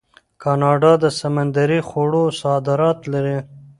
کاناډا د سمندري خوړو صادرات لري.